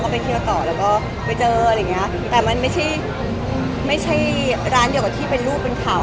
อ้ำไม่ได้รู้เลยนะคะมารู้ที่หลังเพื่อนรู้กันหมดแล้ว